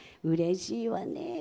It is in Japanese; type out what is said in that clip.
うれしいわね！